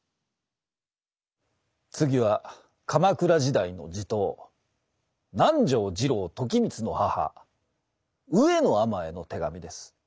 次は鎌倉時代の地頭南条次郎時光の母上野尼への手紙です。